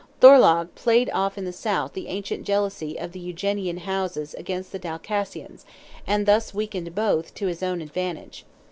Thorlogh played off in the south the ancient jealousy of the Eugenian houses against the Dalcassians, and thus weakened both, to his own advantage.